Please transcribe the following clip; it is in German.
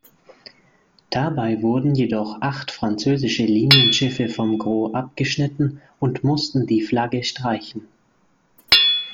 Dabei wurden jedoch acht französische Linienschiffe vom Gros abgeschnitten und mussten die Flagge streichen.